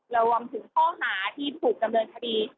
รวมถึงข้อหาที่ถูกดำเนินคดี